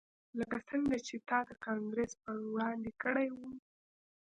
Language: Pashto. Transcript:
لکه څنګه چې تا د کانګرس په وړاندې کړي وو